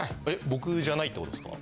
僕じゃないってことですか？